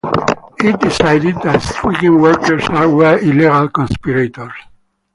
It decided that striking workers were illegal conspirators.